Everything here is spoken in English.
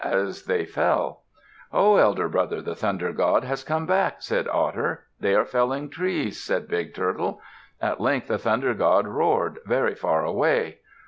_" as they fell. "Ho! elder brother, the Thunder God has come back," said Otter. "They are felling trees," said Big Turtle. At length the Thunder God roared, very far away.